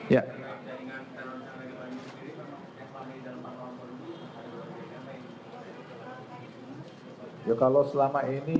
ya kalau selama ini